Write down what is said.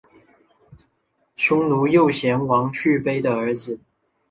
匈奴右贤王去卑的儿子。